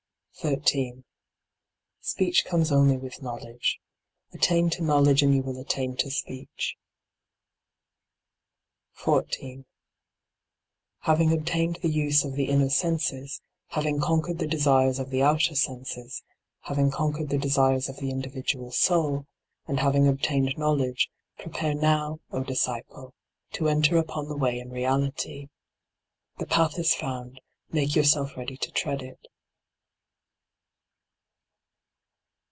13. Speech comes only with knowledge. Attain to knowledge and you will attain to speech. 14. Having obtained the use of the inner senses, having conquered the desires of the outer senses, having conquered the desires of the individual soul, and having obtained knowledge, prepare now, O disciple, to enter upon the way in reality. The path is found : make yourself ready to tread it.